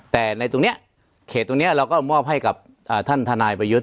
แต่ในตรงนี้เขตตรงนี้เราก็มอบให้กับท่านทนายประยุทธ์